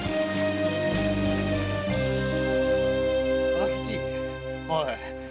貞吉おい